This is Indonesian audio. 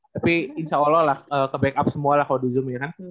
tapi insya allah lah ke backup semua lah kalau di zoom ya